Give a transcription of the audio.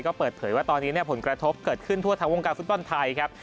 ก็เปิดเผยว่าตอนนี้ผลกระทบเกิดขึ้นทั่วทั้งวงการฟุตบอลไทยครับ